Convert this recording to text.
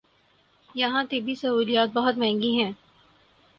یہاں طبی سہولیات بہت مہنگی ہیں۔